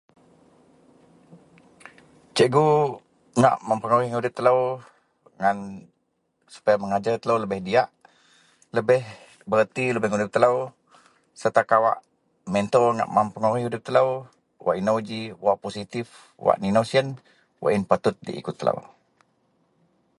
Cikgu ngak mempengaruhi tudip telou ngan sereta mengajer udip telou lebih diyak, lebeh bererti lubeang tudip telou sereta kawak mentor ngak mempengaruhi tudip telou wak inou ji wak positip wak ninou siyen, wak yen patut diikut telou.